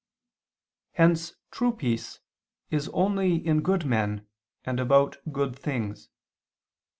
Hence true peace is only in good men and about good things.